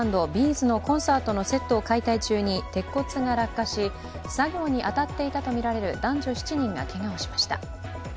’ｚのコンサートのセットを解体中に鉄骨が落下し、作業に当たっていたとみられる男女７人がけがをしました。